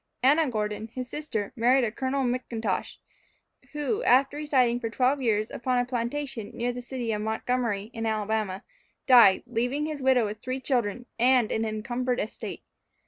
Anna Gordon, his sister, married a Col. McIntosh, who, after residing for twelve years upon a plantation near the city of Montgomery, in Alabama, died, leaving his widow with three children, and an encumbered estate.